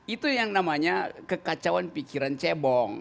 itu yang namanya kekacauan pikiran cebong